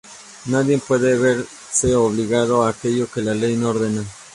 Nadie puede verse obligado a aquello que la ley no ordena.